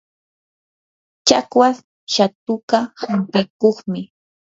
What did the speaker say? chakwas shatuka hampikuqmi.